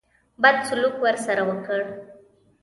بد سلوک ورسره وکړ.